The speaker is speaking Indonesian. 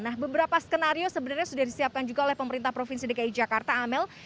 nah beberapa skenario sebenarnya sudah disiapkan juga oleh pemerintah provinsi dki jakarta amel